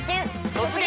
「突撃！